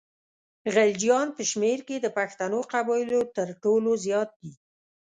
غلجیان په شمېر کې د پښتنو قبایلو تر ټولو زیات دي.